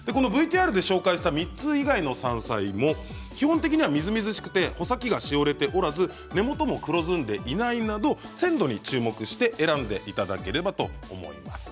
ＶＴＲで紹介した３つ以外の山菜も基本的にはみずみずしくて穂先がしおれておらず根元も黒ずんでいないなど鮮度に注目して選んでいただければと思います。